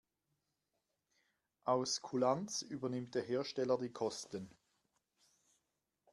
Aus Kulanz übernimmt der Hersteller die Kosten.